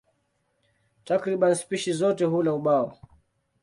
Takriban spishi zote hula ubao.